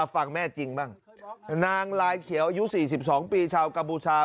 ฟังแม่จริงบ้างนางลายเขียวอายุ๔๒ปีชาวกัมพูชา